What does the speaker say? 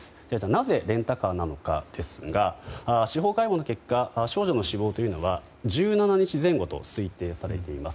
なぜレンタカーなのかですが司法解剖の結果、少女の死亡は１７日前後と推定されています。